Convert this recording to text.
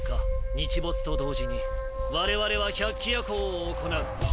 日没と同時に我々は百鬼夜行を行う。